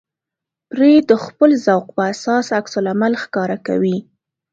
پرې د خپل ذوق په اساس عکس العمل ښکاره کوي.